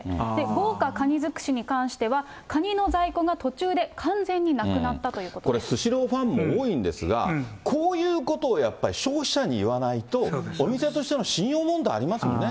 豪華かに尽くしについては、カニの在庫が途中で完全になくなったこれ、スシローファンも多いんですが、こういうことをやっぱり消費者に言わないと、お店としての信用問題ありますもんね。